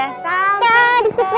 ayo silahkan turun ade